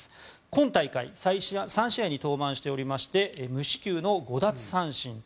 今大会３試合に登板しておりまして無四球の５奪三振。